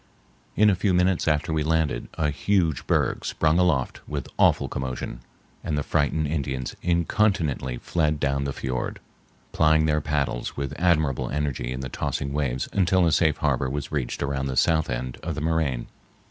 In a few minutes after we landed a huge berg sprung aloft with awful commotion, and the frightened Indians incontinently fled down the fiord, plying their paddles with admirable energy in the tossing waves until a safe harbor was reached around the south end of the moraine.